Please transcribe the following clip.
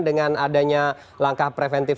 dengan adanya langkah preventif